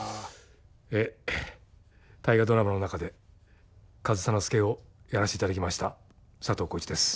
「大河ドラマ」の中で上総介をやらせていただきました佐藤浩市です。